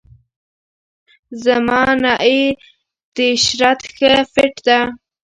زما نئی تیشرت ښه فټ ده.